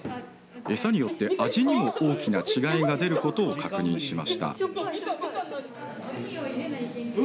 餌によって味にも大きな違いが出ることも確認しました。